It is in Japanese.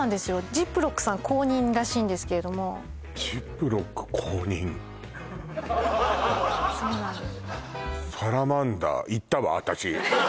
ジップロックさん公認らしいんですけれどもジップロック公認そうなんです